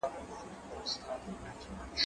زه اوبه نه پاکوم!.